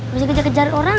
bisa kejar kejar orang